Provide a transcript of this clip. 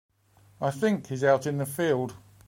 I think he's out in the field.